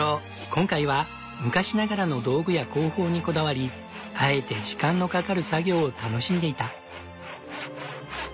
今回は昔ながらの道具や工法にこだわりあえて時間のかかる作業を楽しんでいた。